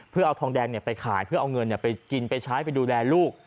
เพื่อเอาทองแดงไปขายเพื่อเอาเงินไปกินไปใช้ไปดูแลลูก